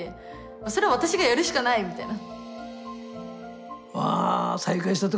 それ私がやるしかない！みたいな。